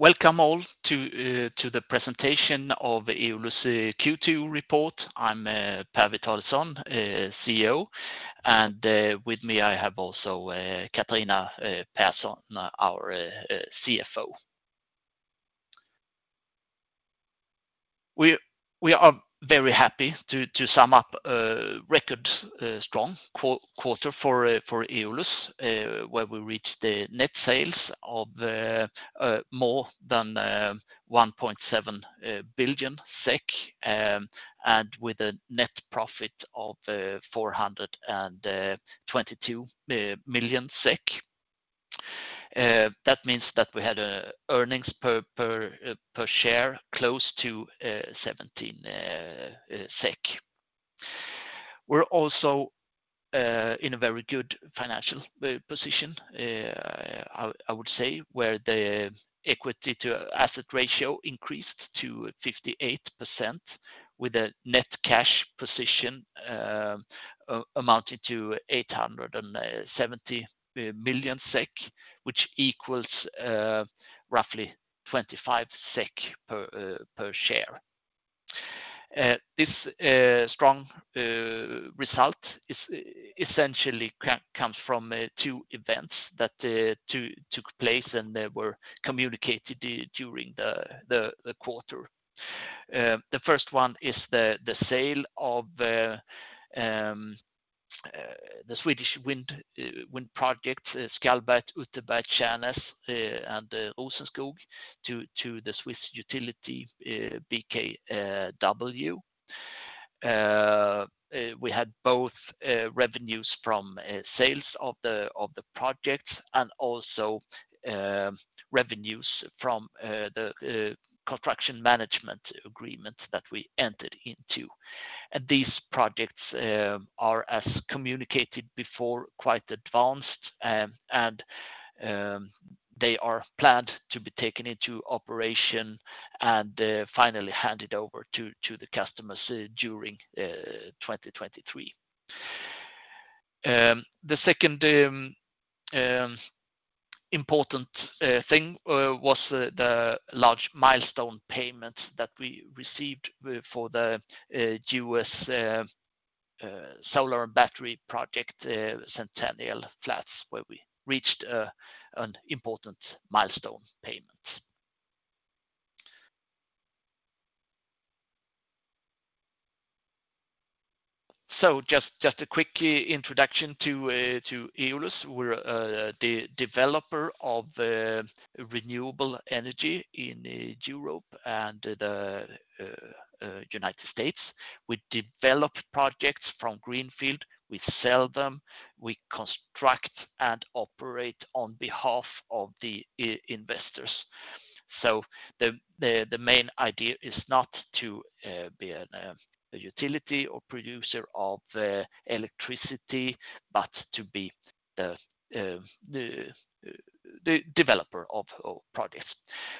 Welcome all to the presentation of the Eolus Q2 report. I'm Per Witalisson, CEO, and with me, I have also Catharina Persson, our CFO. We are very happy to sum up record strong quarter for Eolus, where we reached the net sales of more than 1.7 billion SEK, and with a net profit of 422 million SEK. That means that we had earnings per share close to 17 SEK. We're also in a very good financial position, I would say, where the equity to asset ratio increased to 58%, with a net cash position amounting to 870 million SEK, which equals roughly 25 SEK per share. This strong result essentially comes from two events that took place, and they were communicated during the quarter. The first one is the sale of the Swedish wind projects, Skallberget, Utterberget, Tjärnäs, and Rosenskog to the Swiss utility BKW. We had both revenues from sales of the projects and also revenues from the construction management agreement that we entered into. These projects are, as communicated before, quite advanced, and they are planned to be taken into operation and finally handed over to the customers during 2023. The second important thing was the large milestone payments that we received for the U.S. solar and battery project Centennial Flats, where we reached an important milestone payment. So just a quick introduction to Eolus. We're the developer of renewable energy in Europe and the United States. We develop projects from greenfield, we sell them, we construct and operate on behalf of the investors. So the main idea is not to be a utility or producer of electricity, but to be the developer of projects.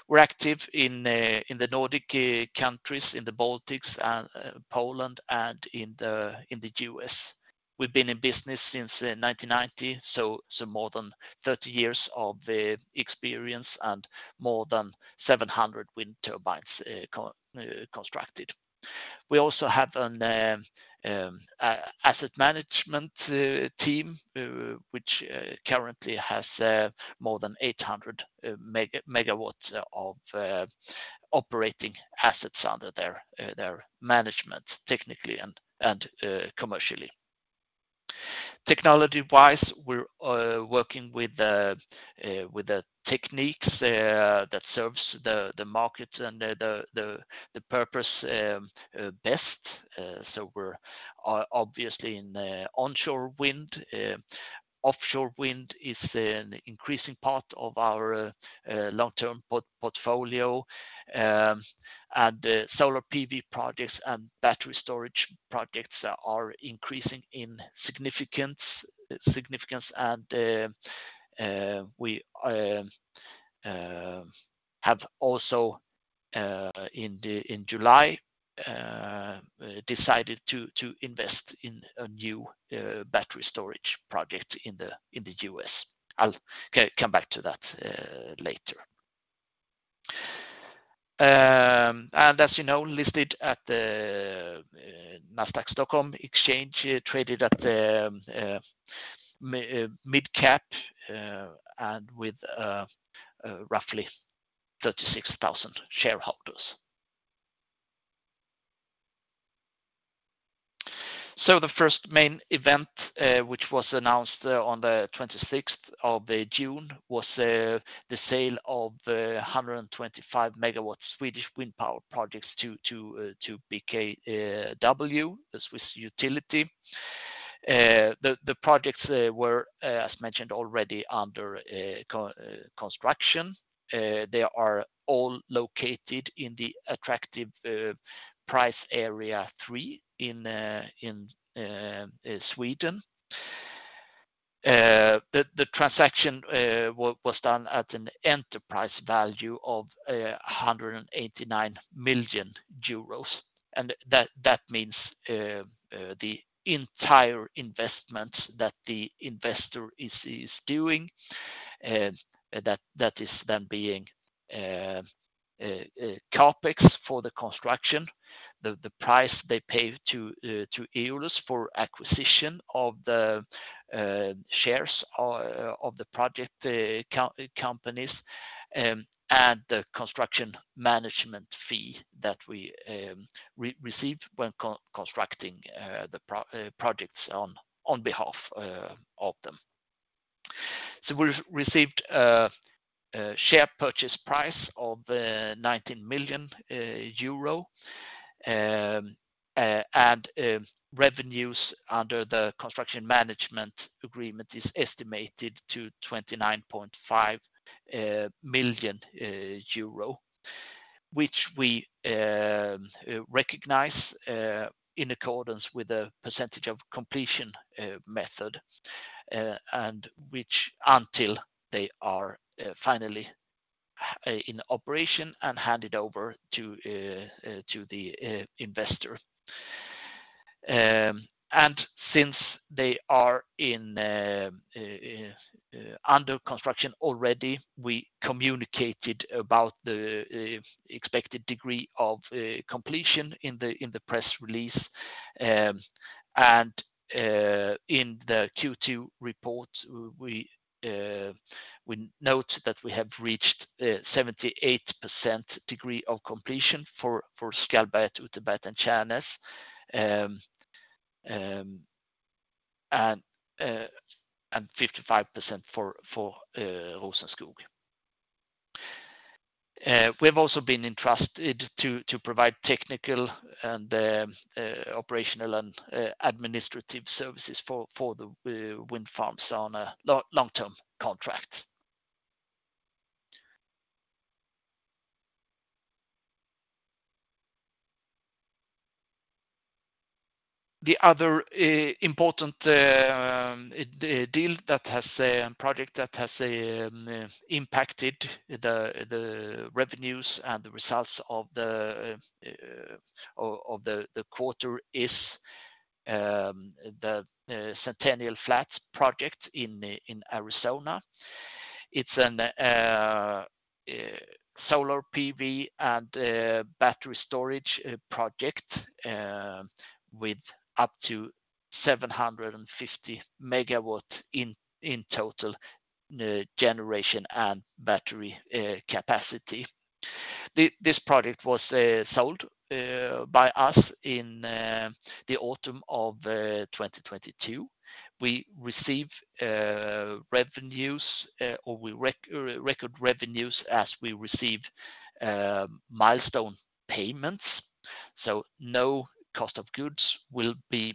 We're active in the Nordic countries, in the Baltics, and Poland, and in the US. We've been in business since 1990, so more than 30 years of experience and more than 700 wind turbines constructed. We also have an asset management team which currently has more than 800 MW of operating assets under their management, technically and commercially. Technology-wise, we're working with the techniques that serves the markets and the purpose best. So we're obviously in onshore wind. Offshore wind is an increasing part of our long-term portfolio, and the solar PV projects and battery storage projects are increasing in significance, significance, and we have also in July decided to invest in a new battery storage project in the US. I'll come back to that later. And as you know, listed at the Nasdaq Stockholm Exchange, traded at the mid-cap, and with roughly 36,000 shareholders. So the first main event, which was announced on the twenty-sixth of June, was the sale of 125 MW Swedish wind power projects to BKW, the Swiss utility. The projects were, as mentioned, already under construction. They are all located in the attractive price area three in Sweden. The transaction was done at an enterprise value of 189 million euros. And that means the entire investment that the investor is doing, that is then being CapEx for the construction, the price they pay to Eolus for acquisition of the shares of the project companies, and the construction management fee that we received when constructing the projects on behalf of them. So we've received a share purchase price of 19 million euro, and revenues under the construction management agreement is estimated to 29.5 million euro, which we recognize in accordance with the percentage of completion method, and which until they are finally in operation and handed over to the investor. And since they are under construction already, we communicated about the expected degree of completion in the press release. And in the Q2 report, we note that we have reached 78% degree of completion for Skallberget, Utterberget, and Tjärnäs, and 55% for Rosenskog. We've also been entrusted to provide technical and operational and administrative services for the wind farms on a long-term contract. The other important deal that has impacted the revenues and the results of the quarter is the Centennial Flats project in Arizona. It's an solar PV and a battery storage project with up to 750 MW in total generation and battery capacity. This project was sold by us in the autumn of 2022. We received revenues or we record revenues as we received milestone payments, so no cost of goods will be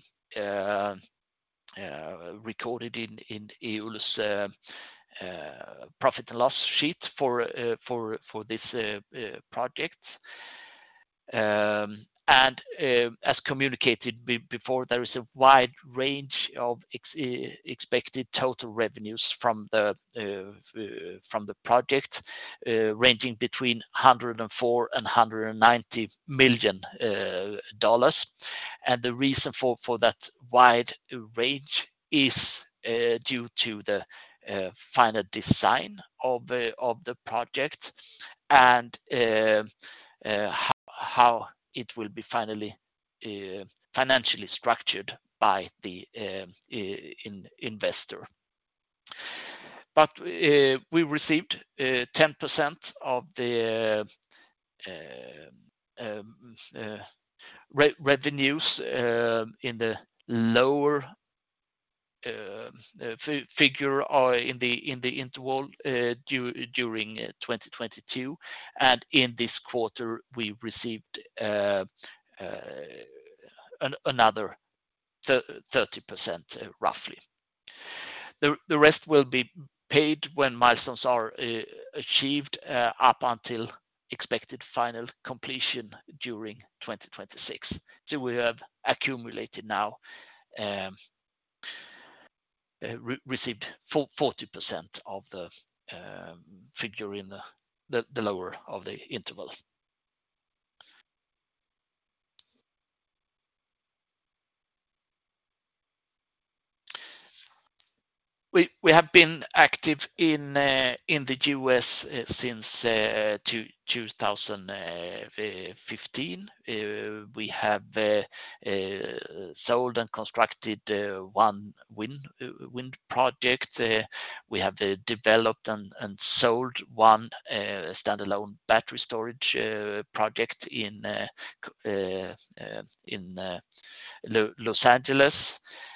recorded in Eolus' profit and loss sheet for this project. As communicated before, there is a wide range of expected total revenues from the project, ranging between $104 million-$190 million. The reason for that wide range is due to the final design of the project, and how it will be finally financially structured by the investor. But, we received 10% of the revenues in the lower figure or in the interval during 2022, and in this quarter, we received another 30%, roughly. The rest will be paid when milestones are achieved up until expected final completion during 2026. So we have accumulated now received 40% of the figure in the lower of the interval. We have been active in the U.S. since 2015. We have sold and constructed one wind project. We have developed and sold one standalone battery storage project in Los Angeles.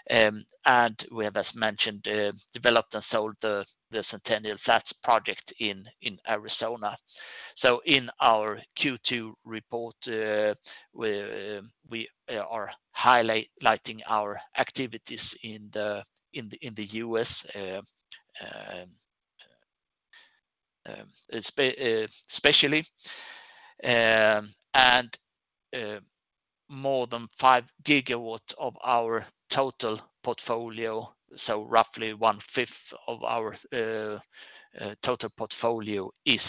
And we have, as mentioned, developed and sold the Centennial Flats project in Arizona. So in our Q2 report, we are highlighting our activities in the U.S., especially, and more than 5 GW of our total portfolio, so roughly 1/5 of our total portfolio is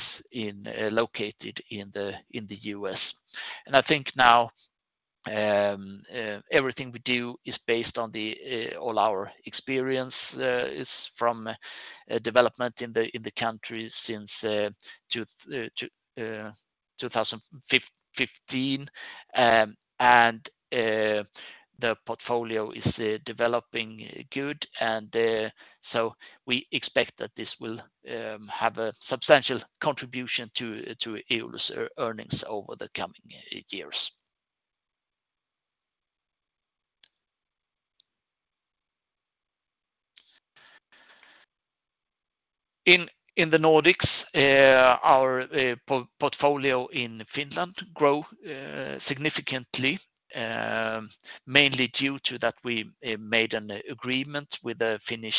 located in the U.S. And I think now everything we do is based on all our experience is from development in the country since 2015. And the portfolio is developing good, and so we expect that this will have a substantial contribution to Eolus earnings over the coming years. In the Nordics, our portfolio in Finland grow significantly, mainly due to that we made an agreement with the Finnish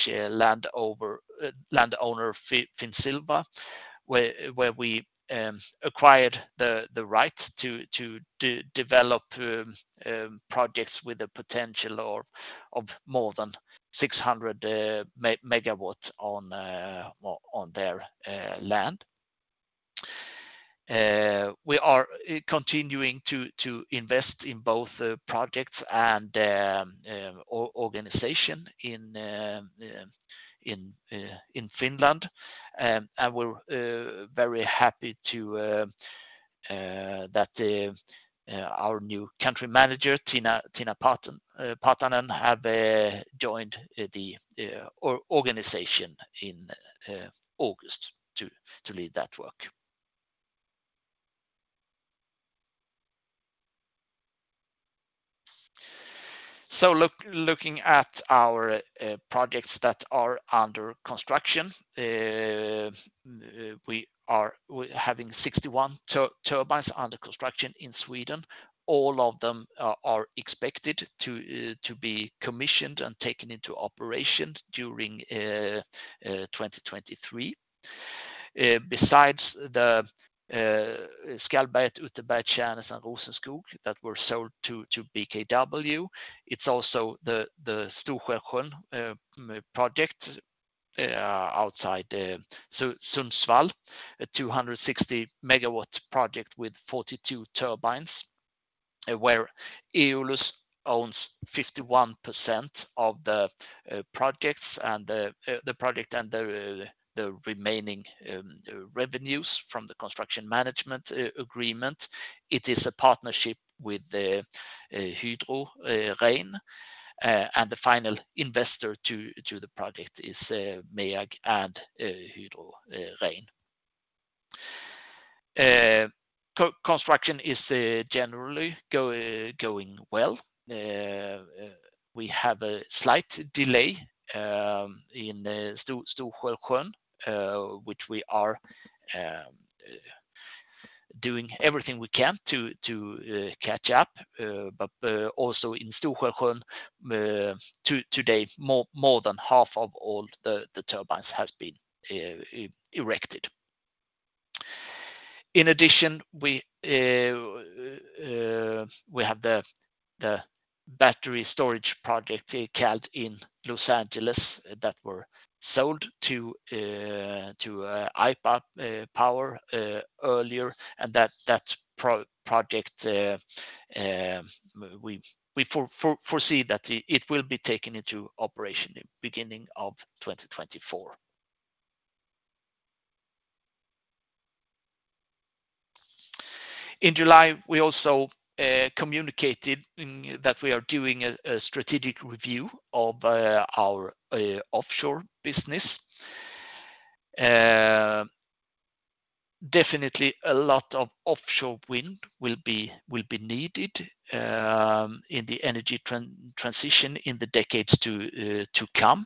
landowner, Finsilva, where we acquired the right to develop projects with a potential or of more than 600 MW on their land. We are continuing to invest in both projects and organization in Finland. And we're very happy that our new country manager, Tiina Partanen, have joined the organization in August to lead that work. So looking at our projects that are under construction, we're having 61 turbines under construction in Sweden. All of them are expected to be commissioned and taken into operation during 2023. Besides the Skallberget, Utterberget, Tjärnäs, and Rosenskog that were sold to BKW, it's also the Stor-Skälsjön project outside Sundsvall, a 260-MW project with 42 turbines, where Eolus owns 51% of the projects and the project and the remaining revenues from the construction management agreement. It is a partnership with Hydro Rein, and the final investor to the project is MEAG and Hydro Rein. Construction is generally going well. We have a slight delay in Stor-Skälsjön, which we are doing everything we can to catch up, but also in Stor-Skälsjön, today, more than half of all the turbines has been erected. In addition, we have the battery storage project Cald in Los Angeles, that were sold to Aypa Power earlier, and that project we foresee that it will be taken into operation in beginning of 2024. In July, we also communicated that we are doing a strategic review of our offshore business. Definitely a lot of offshore wind will be needed in the energy transition in the decades to come.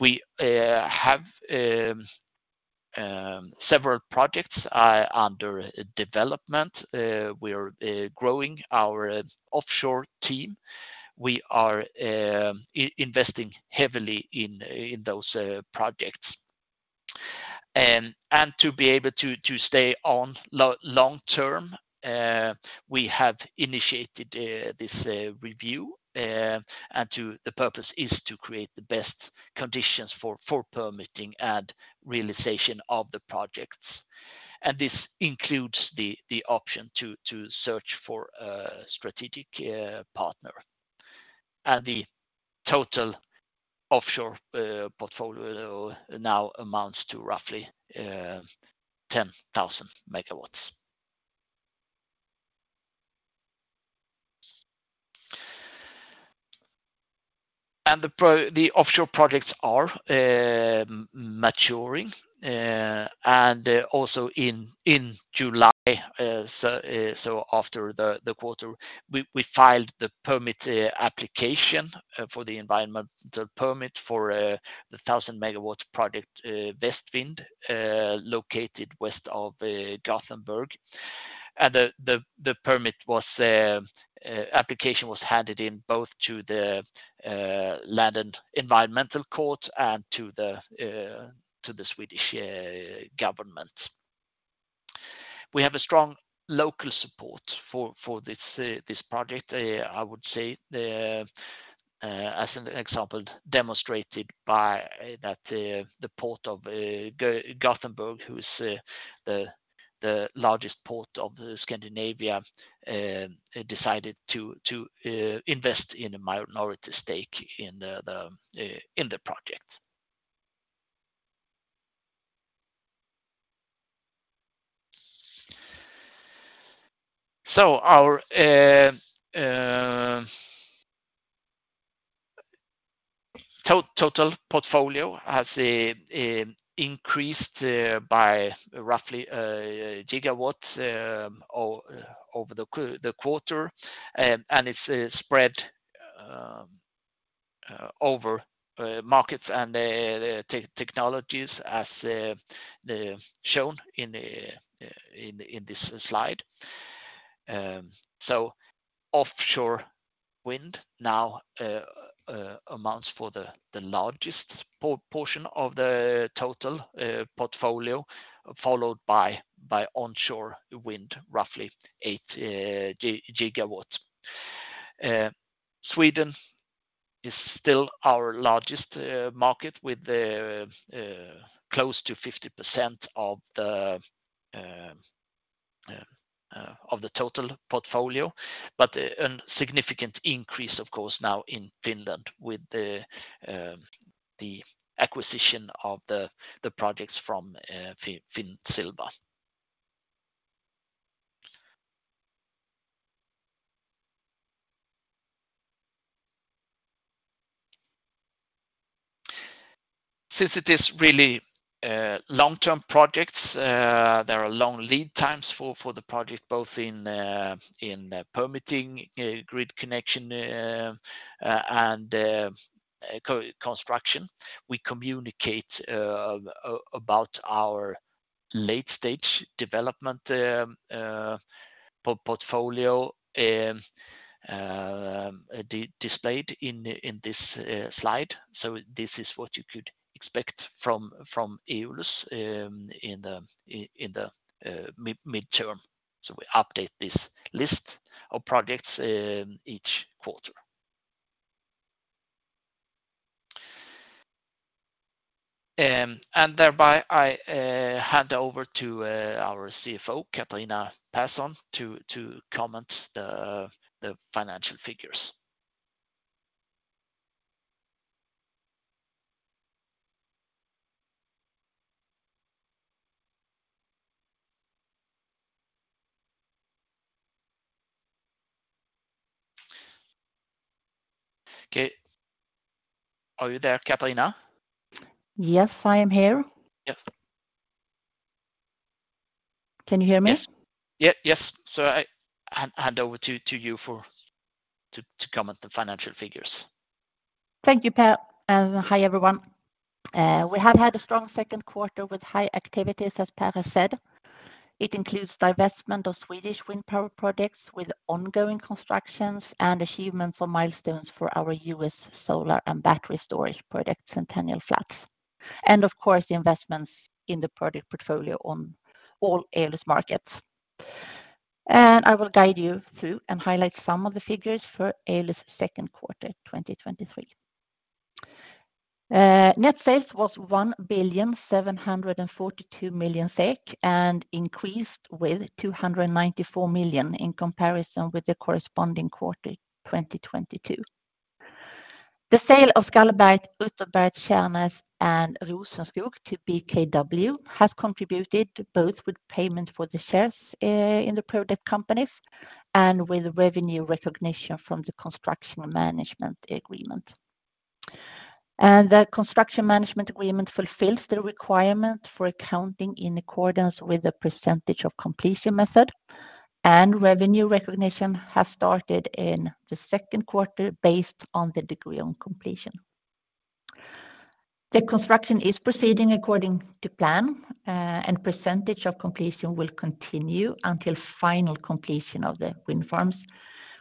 We have several projects under development. We are growing our offshore team. We are investing heavily in those projects. And to be able to stay on long term, we have initiated this review, and the purpose is to create the best conditions for permitting and realization of the projects. And this includes the option to search for a strategic partner. And the total offshore portfolio now amounts to roughly 10,000 MW. And the offshore projects are maturing, and also in July, so after the quarter, we filed the permit application for the environmental permit for the 1,000-MW project, Västvind, located west of Gothenburg. The permit application was handed in both to the land and environmental court and to the Swedish government. We have a strong local support for this project. I would say, as an example, demonstrated by that the Port of Gothenburg, who is the largest port of Scandinavia, decided to invest in a minority stake in the project. So our total portfolio has increased by roughly gigawatts over the quarter, and it's spread over markets and the technologies as shown in this slide. So offshore wind now amounts for the largest portion of the total portfolio, followed by onshore wind, roughly 8 GW. Sweden is still our largest market with close to 50% of the total portfolio, but and significant increase, of course, now in Finland with the acquisition of the projects from Finsilva. Since it is really long-term projects, there are long lead times for the project, both in permitting, grid connection, and construction. We communicate about our late-stage development portfolio displayed in this slide. So this is what you could expect from Eolus in the mid-term. So we update this list of projects each quarter. And thereby, I hand over to our CFO, Catharina Persson, to comment the financial figures. Okay. Are you there, Catharina? Yes, I am here. Yes. Can you hear me? Yes. Yes, yes. So I hand over to you to comment the financial figures. Thank you, Per, and hi, everyone. We have had a strong second quarter with high activities, as Per has said. It includes divestment of Swedish wind power projects with ongoing constructions and achievement for milestones for our U.S. solar and battery storage project, Centennial Flats. Of course, the investments in the project portfolio on all Eolus markets. I will guide you through and highlight some of the figures for Eolus' second quarter, 2023. Net sales was 1,742 million SEK, and increased with 294 million in comparison with the corresponding quarter, 2022. The sale of Skallberget, Utterberget, Tjärnäs, and Rosenskog to BKW has contributed both with payment for the shares, in the project companies, and with revenue recognition from the construction management agreement. The construction management agreement fulfills the requirement for accounting in accordance with the percentage of completion method, and revenue recognition has started in the second quarter, based on the degree of completion. The construction is proceeding according to plan, and percentage of completion will continue until final completion of the wind farms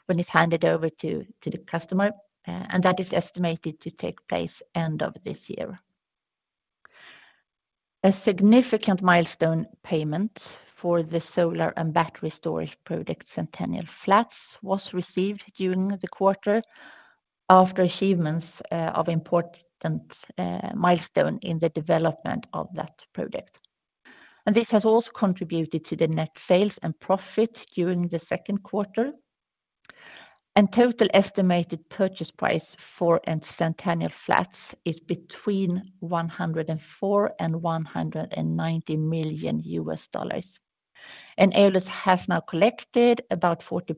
when it's handed over to the customer, and that is estimated to take place end of this year. A significant milestone payment for the solar and battery storage project, Centennial Flats, was received during the quarter after achievements of important milestone in the development of that project. This has also contributed to the net sales and profits during the second quarter. Total estimated purchase price for the Centennial Flats is between $104 million and $190 million. Eolus has now collected about 40%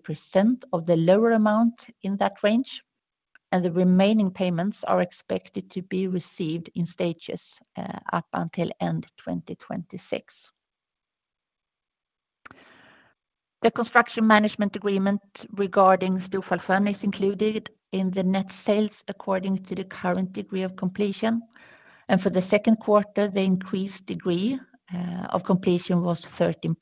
of the lower amount in that range, and the remaining payments are expected to be received in stages up until end of 2026. The construction management agreement regarding Storfallet is included in the net sales according to the current degree of completion, and for the second quarter, the increased degree of completion was 13%,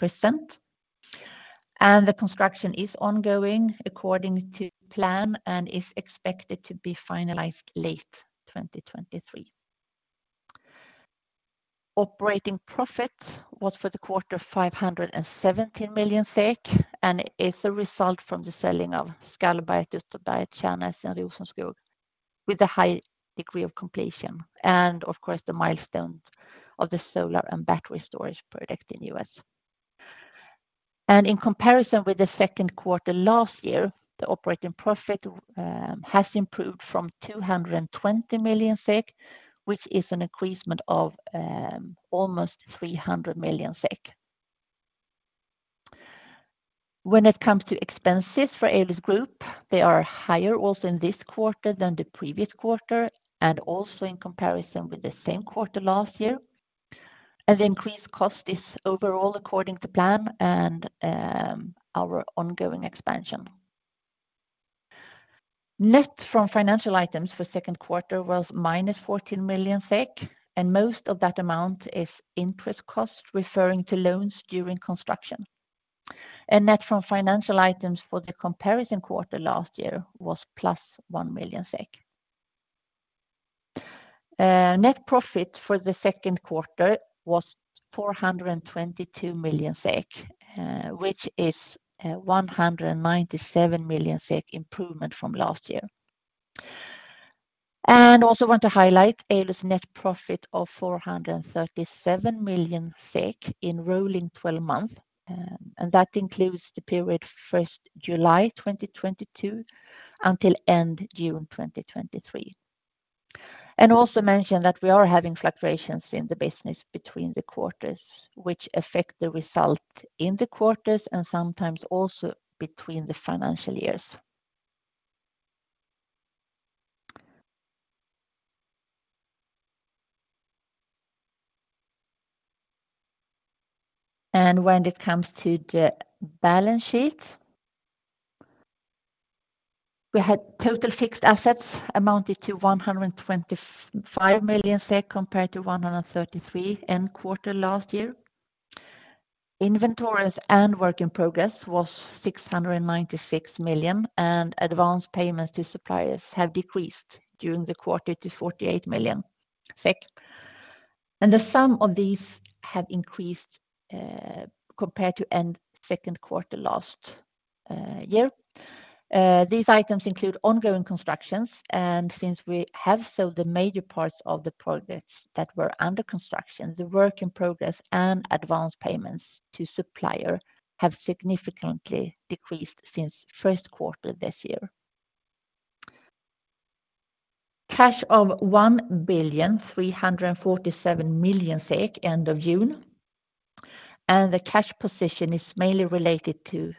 and the construction is ongoing according to plan and is expected to be finalized late 2023. Operating profit was for the quarter 517 million SEK, and it is a result from the selling of Skallberget, Utterberget, Tjärnäs, and Rosenskog with a high degree of completion, and of course, the milestone of the solar and battery storage project in the U.S. In comparison with the second quarter last year, the operating profit has improved from 220 million SEK, which is an increase of almost 300 million SEK. When it comes to expenses for Eolus Group, they are higher also in this quarter than the previous quarter, and also in comparison with the same quarter last year. The increased cost is overall according to plan and our ongoing expansion. Net from financial items for second quarter was -14 million SEK, and most of that amount is interest cost referring to loans during construction. Net from financial items for the comparison quarter last year was +1 million SEK. Net profit for the second quarter was 422 million SEK, which is a 197 million SEK improvement from last year. I also want to highlight Eolus' net profit of 437 million SEK in rolling twelve months, and that includes the period July 1, 2022 until end June 2023. We also mention that we are having fluctuations in the business between the quarters, which affect the result in the quarters and sometimes also between the financial years. When it comes to the balance sheet, we had total fixed assets amounted to 125 million SEK, compared to 133 end quarter last year. Inventories and work in progress was 696 million, and advanced payments to suppliers have decreased during the quarter to 48 million. The sum of these have increased, compared to end second quarter last year. These items include ongoing constructions, and since we have sold the major parts of the projects that were under construction, the work in progress and advanced payments to supplier have significantly decreased since first quarter this year. Cash of 1,347 million SEK end of June, and the cash position is mainly related to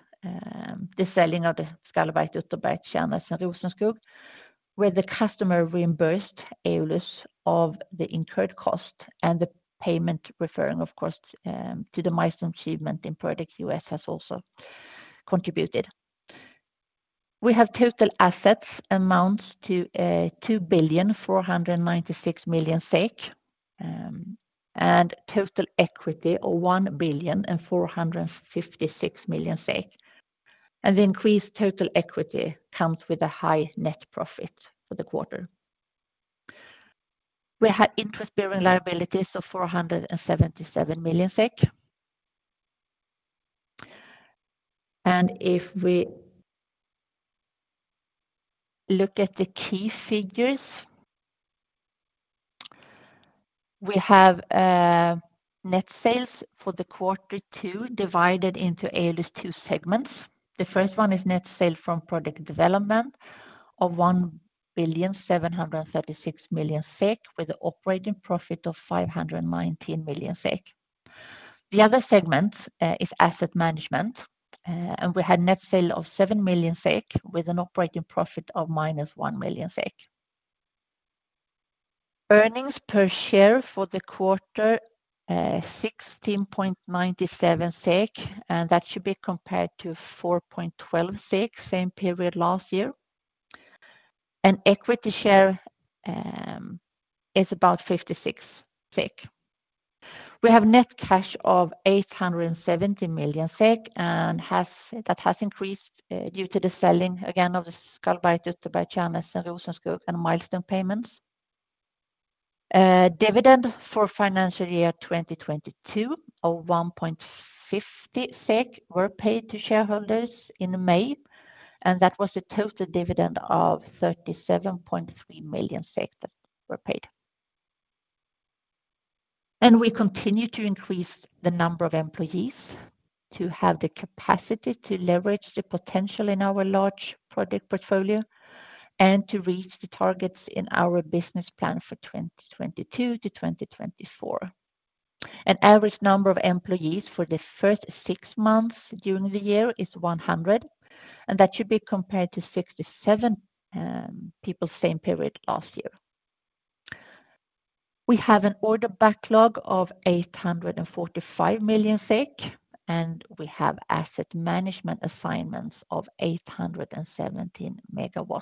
the selling of the Skallberget, Utterberget, Tjärnäs, and Rosenskog, where the customer reimbursed Eolus of the incurred cost and the payment referring, of course, to the milestone achievement in project U.S. has also contributed. We have total assets amounts to 2.496 billion, and total equity of 1,456 million SEK. The increased total equity comes with a high net profit for the quarter. We had interest-bearing liabilities of 477 million SEK. If we look at the key figures, we have net sales for quarter two, divided into Eolus two segments. The first one is net sale from project development of 1,736 million SEK, with an operating profit of 519 million SEK. The other segment is asset management, and we had net sale of 7 million SEK, with an operating profit of -1 million SEK. Earnings per share for the quarter, 16.97 SEK, and that should be compared to 4.12 SEK, same period last year. And equity share is about 56 SEK. We have net cash of 870 million SEK, and that has increased due to the selling, again, of the Skallberget, Utterberget, Tjärnäs, and Rosenskog and milestone payments. Dividend for financial year 2022 of 1.50 SEK were paid to shareholders in May, and that was a total dividend of 37.3 million that were paid. And we continue to increase the number of employees to have the capacity to leverage the potential in our large project portfolio and to reach the targets in our business plan for 2022-2024. An average number of employees for the first six months during the year is 100, and that should be compared to 67 people, same period last year. We have an order backlog of 845 million SEK, and we have asset management assignments of 817 MW.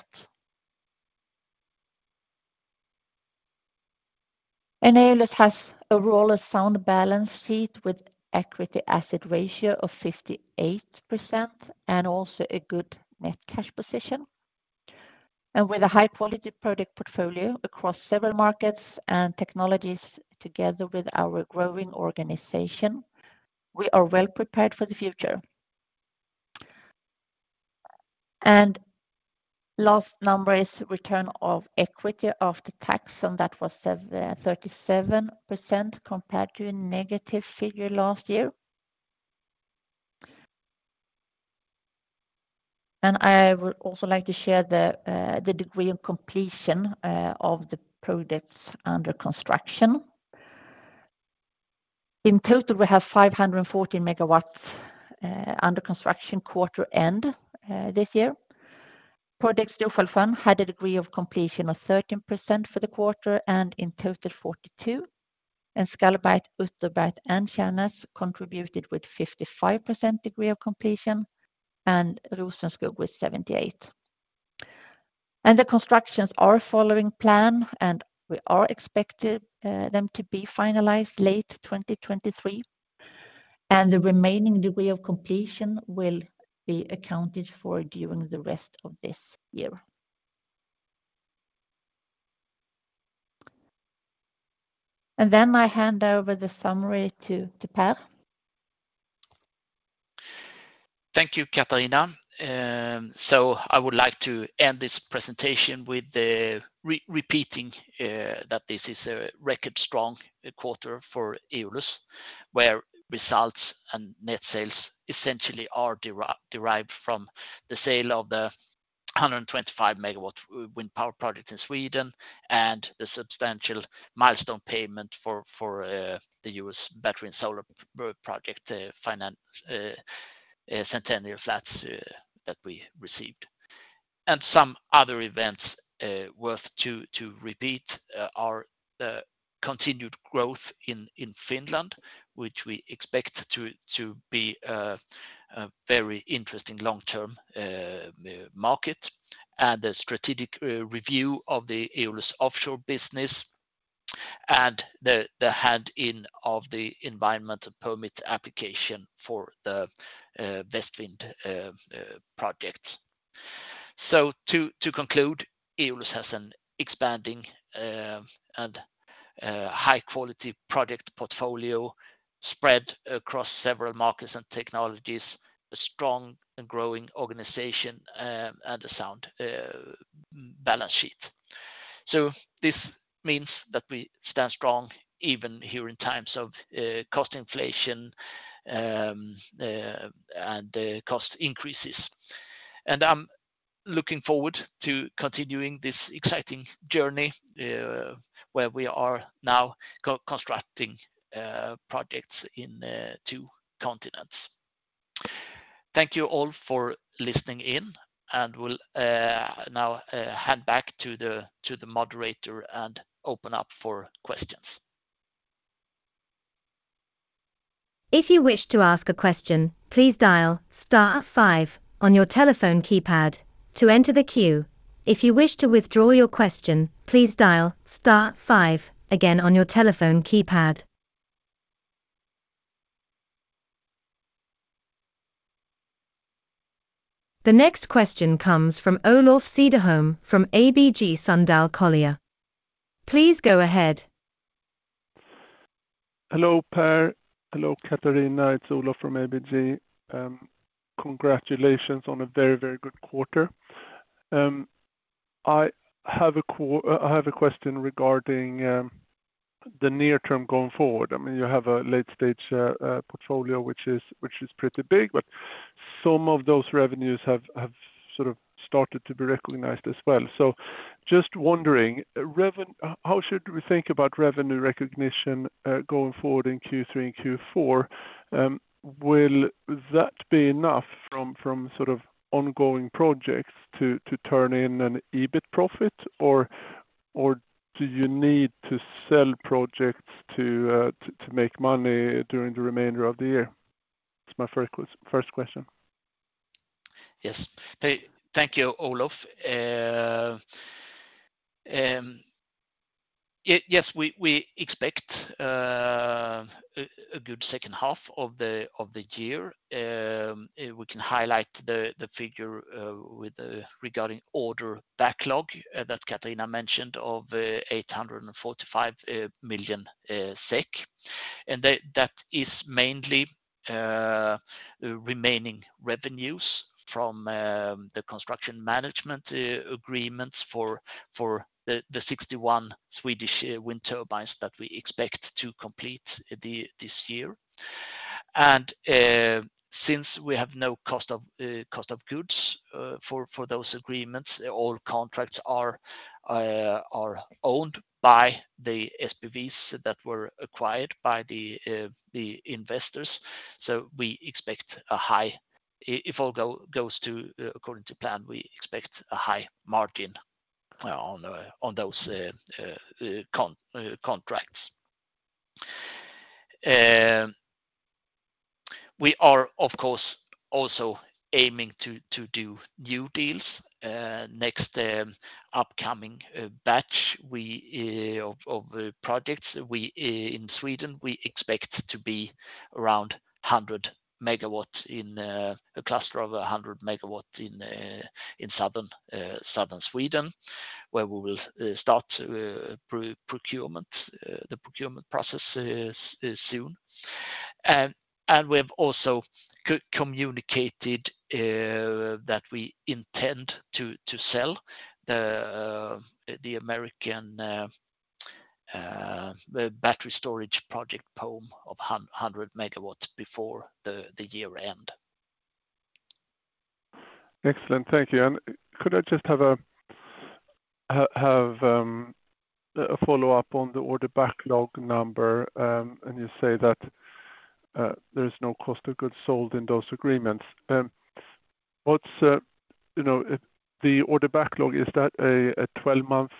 Eolus has overall a sound balance sheet with equity asset ratio of 58%, and also a good net cash position. With a high-quality product portfolio across several markets and technologies, together with our growing organization, we are well-prepared for the future. Last number is return of equity after tax, and that was 37% compared to a negative figure last year. I would also like to share the degree of completion of the projects under construction. In total, we have 514 MW under construction quarter-end this year. Project Storfallet had a degree of completion of 13% for the quarter, and in total, 42, and Skallberget, Utterberget, and Tjärnäs contributed with 55% degree of completion, and Rosenskog with 78. The constructions are following plan, and we are expected them to be finalized late 2023, and the remaining degree of completion will be accounted for during the rest of this year. Then I hand over the summary to Per. Thank you, Catharina. So I would like to end this presentation with repeating that this is a record strong quarter for Eolus, where results and net sales essentially are derived from the sale of the 125 MW wind power project in Sweden and the substantial milestone payment for the U.S. battery and solar project finance Centennial Flats that we received. And some other events worth to repeat are continued growth in Finland, which we expect to be a very interesting long-term market, and a strategic review of the Eolus offshore business, and the handing in of the environmental permit application for the Västvind project. So to conclude, Eolus has an expanding and high-quality project portfolio spread across several markets and technologies, a strong and growing organization, and a sound balance sheet. So this means that we stand strong even here in times of cost inflation and cost increases. And I'm looking forward to continuing this exciting journey, where we are now co-constructing projects in two continents. Thank you all for listening in, and we'll now hand back to the moderator and open up for questions. If you wish to ask a question, please dial star five on your telephone keypad to enter the queue. If you wish to withdraw your question, please dial star five again on your telephone keypad. The next question comes from Olof Cederholm, from ABG Sundal Collier. Please go ahead. Hello, Per. Hello, Catharina, it's Olof from ABG. Congratulations on a very, very good quarter. I have a question regarding the near term going forward. I mean, you have a late-stage portfolio, which is pretty big, but some of those revenues have sort of started to be recognized as well. So just wondering, how should we think about revenue recognition going forward in Q3 and Q4? Will that be enough from sort of ongoing projects to turn in an EBIT profit, or do you need to sell projects to make money during the remainder of the year? It's my first question. Yes. Hey, thank you, Olof. Yes, we expect a good second half of the year. We can highlight the figure with regarding order backlog that Catharina mentioned, of 845 million SEK. And that is mainly remaining revenues from the construction management agreements for the 61 Swedish wind turbines that we expect to complete this year. And since we have no cost of goods for those agreements, all contracts are owned by the SPVs that were acquired by the investors. So we expect a high... If all goes according to plan, we expect a high margin on those contracts. We are, of course, also aiming to do new deals. Next upcoming batch of projects in Sweden, we expect to be around 100 MW in a cluster of 100 MW in southern Sweden, where we will start the procurement process soon. And we have also communicated that we intend to sell the American battery storage project, Pome, of 100 MW before the year-end. Excellent. Thank you. And could I just have a have a follow-up on the order backlog number, and you say that, there's no cost of goods sold in those agreements. What's, you know, if the order backlog, is that a 12-month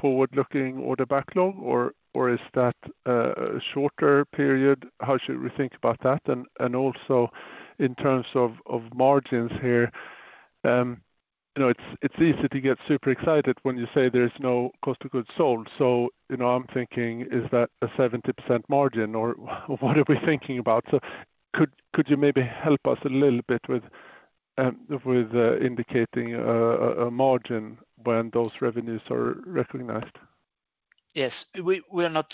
forward-looking order backlog, or is that a shorter period? How should we think about that? And also in terms of margins here, you know, it's easy to get super excited when you say there's no cost of goods sold. So, you know, I'm thinking, is that a 70% margin, or what are we thinking about? So could you maybe help us a little bit with indicating a margin when those revenues are recognized? Yes. We are not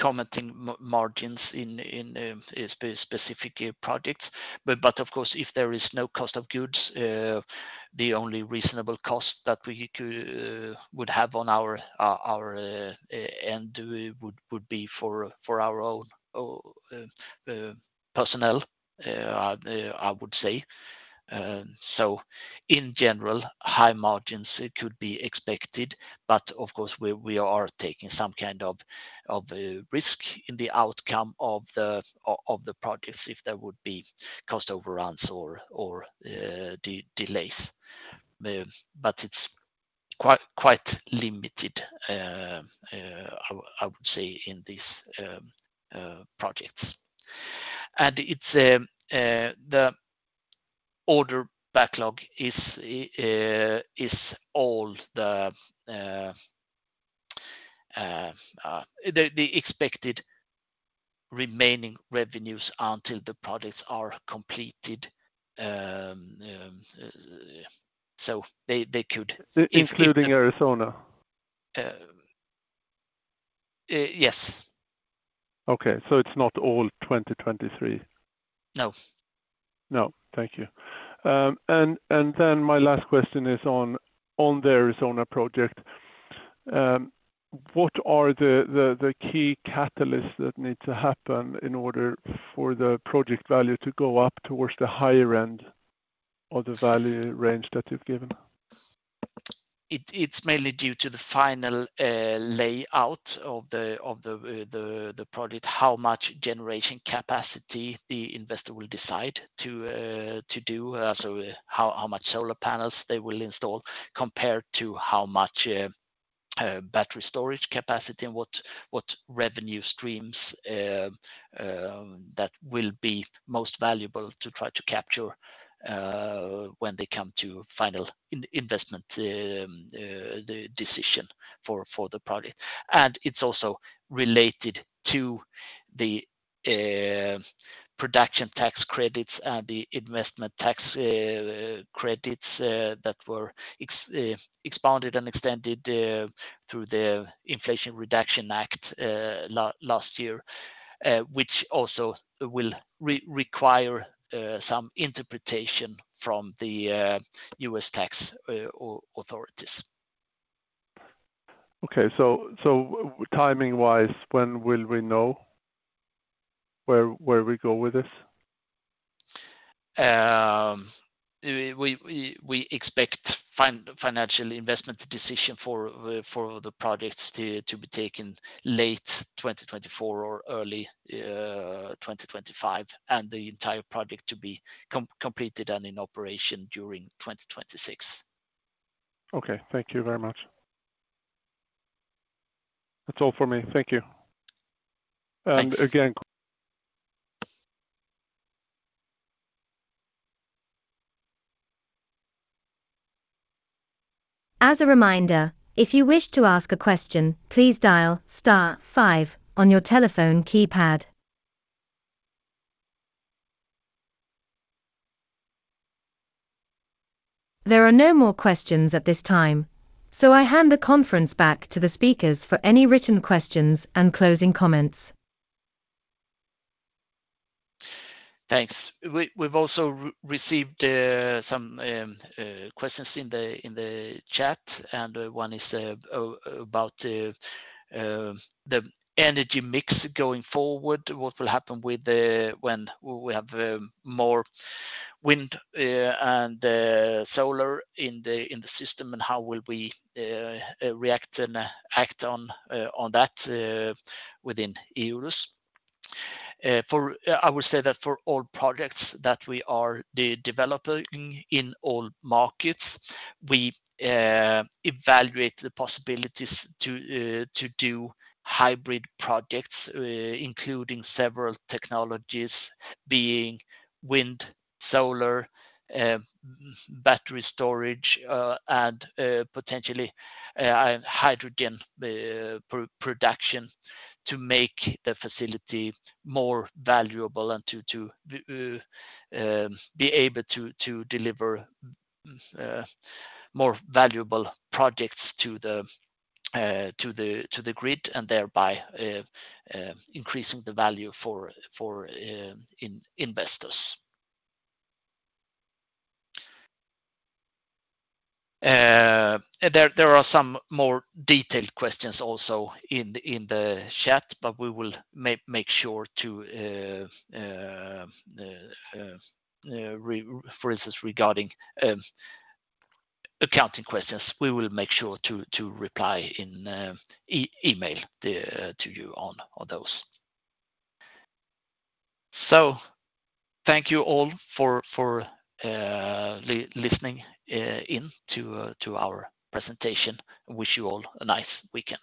commenting on margins in specific projects, but of course, if there is no cost of goods, the only reasonable cost that we would have on our P&L would be for our own personnel, I would say. So in general, high margins could be expected, but of course, we are taking some kind of risk in the outcome of the projects if there would be cost overruns or delays. But it's quite limited, I would say in these projects. And it's the order backlog is all the expected remaining revenues until the projects are completed, so they could- Including Arizona? Yes. Okay, so it's not all 2023? No. No. Thank you. And then my last question is on the Arizona project. What are the key catalysts that need to happen in order for the project value to go up towards the higher end of the value range that you've given? It's mainly due to the final layout of the project, how much generation capacity the investor will decide to do. So how much solar panels they will install, compared to how much battery storage capacity and what revenue streams that will be most valuable to try to capture, when they come to final investment decision for the project. And it's also related to the production tax credits and the investment tax credits that were expanded and extended through the Inflation Reduction Act last year, which also will require some interpretation from the U.S. tax authorities. Okay, so timing-wise, when will we know where we go with this? We expect financial investment decision for the projects to be taken late 2024 or early 2025, and the entire project to be completed and in operation during 2026. Okay. Thank you very much. That's all for me. Thank you. Thank you. And again- As a reminder, if you wish to ask a question, please dial star five on your telephone keypad. There are no more questions at this time, so I hand the conference back to the speakers for any written questions and closing comments. Thanks. We've also received some questions in the chat, and one is about the energy mix going forward. What will happen with the, when we have more wind and solar in the system, and how will we react and act on that within Eolus? For... I would say that for all projects that we are developing in all markets, we evaluate the possibilities to do hybrid projects, including several technologies, being wind, solar, battery storage, and potentially hydrogen production, to make the facility more valuable and to be able to deliver more valuable projects to the grid, and thereby increasing the value for investors. There are some more detailed questions also in the chat, but we will make sure to for instance regarding accounting questions, we will make sure to reply in email to you on those. So thank you all for listening in to our presentation. Wish you all a nice weekend.